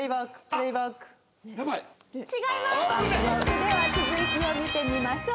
では続きを見てみましょう。